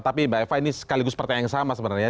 tapi mbak eva ini sekaligus pertanyaan yang sama sebenarnya